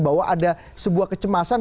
bahwa ada sebuah kecemasan